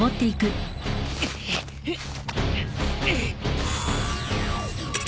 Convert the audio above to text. うっ。